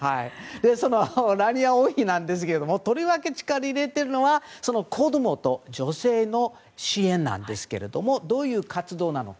そのラーニア王妃なんですがとりわけ力を入れているのはその子供と女性の支援なんですけどもどういう活動なのか。